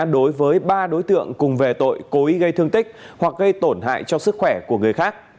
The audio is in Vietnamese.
đối với ba đối tượng cùng về tội cố ý gây thương tích hoặc gây tổn hại cho sức khỏe của người khác